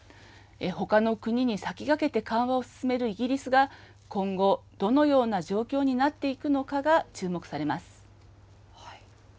ほかの国に先駆けて緩和を進めるイギリスが、今後、どのような状況になっていくのかが、注目されます。